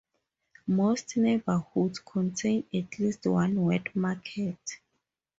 Most neighbourhoods contain at least one wet market.